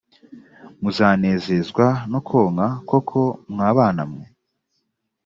muzanezezwa no konka koko mwabanamwe